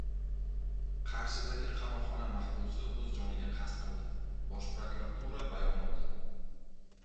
Qarshidagi qamoqxona mahbusi o‘z joniga qasd qildi. Bosh prokuratura bayonoti